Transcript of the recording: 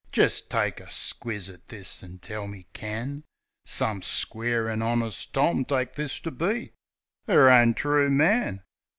Jist take a squiz at this, an' tell me can Some square an' honist torn take this to be 'Er own true man?